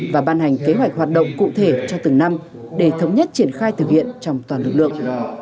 và ban hành kế hoạch hoạt động cụ thể cho từng năm để thống nhất triển khai thực hiện trong toàn lực lượng